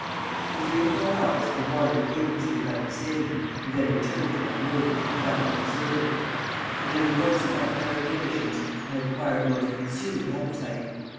For three or four hours I wandered aimlessly about the city, and then returned to my room, and found it deserted; but in the course of my peregrinations I had acquired a most consuming appetite.